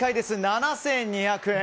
７２００円。